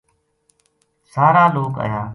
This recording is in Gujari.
سارا لوک اَیا